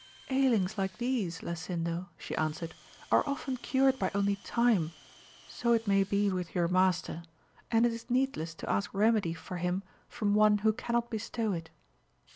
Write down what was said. Ailings like^these, Lasindo, she answered, are often cured by only time, so it may be with your master, and it is needless to ask remedy for him from one who cannot bestow it.